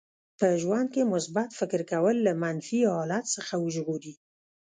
په ژوند کې مثبت فکر کول له منفي حالت څخه وژغوري.